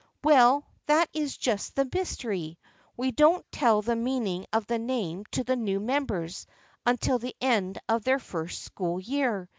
" Well, that is just the mystery. We don't tell the meaning of the name to the new members un til the end of their first school year.